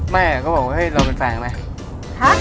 ไม่อะแกบอกว่าเฮ้ยเราเป็นแฟนเหรอไหม